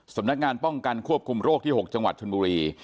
สำนักงานป้องกันควบคุมโรคที่๖จังหวัดชนบุรี